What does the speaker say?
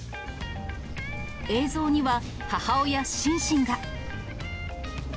映像には、母親、シンシンが。